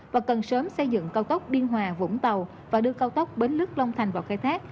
và cần sớm xây dựng cao tốc biên hòa vũng tàu và đưa cao tốc bến lức long thành vào khai thác